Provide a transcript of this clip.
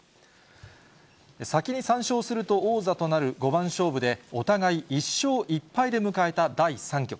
先に３勝すると王座となる五番勝負で、お互い、１勝１敗で迎えた第３局。